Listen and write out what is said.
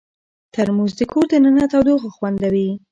ترموز د کور دننه تودوخه خوندوي.